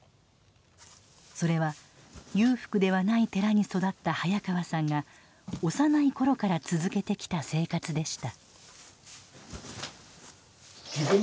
それは裕福ではない寺に育った早川さんが幼い頃から続けてきた生活でした。